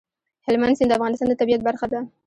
هلمند سیند د افغانستان د طبیعت برخه ده.